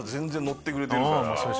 ッてくれてるから。